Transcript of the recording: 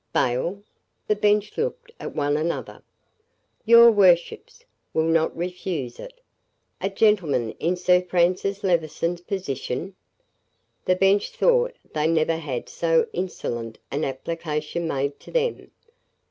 Bail! The bench looked at one another. "Your worships will not refuse it a gentleman in Sir Francis Levison's position!" The bench thought they never had so insolent an application made to them.